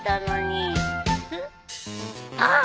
あっ！